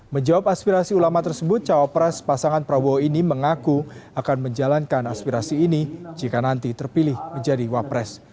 menjawab aspirasi ulama tersebut cawapres pasangan prabowo ini mengaku akan menjalankan aspirasi ini jika nanti terpilih menjadi wapres